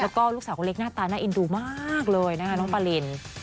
แล้วก็ลูกสาวคนเล็กหน้าตาน่าเอ็นดูมากเลยนะคะน้องปาริน